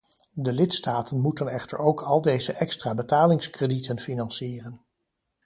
De lidstaten moeten echter ook al deze extra betalingskredieten financieren.